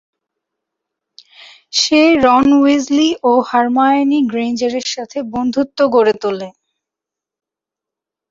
সে Ron Weasley ও Hermione Granger এর সাথে বন্ধুত্ব গড়ে তোলে।